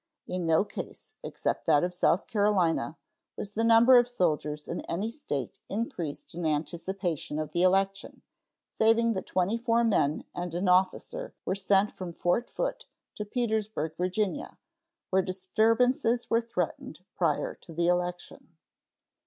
In no case, except that of South Carolina, was the number of soldiers in any State increased in anticipation of the election, saving that twenty four men and an officer were sent from Fort Foote to Petersburg, Va., where disturbances were threatened prior to the election.